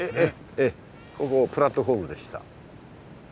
ここプラットホームでした。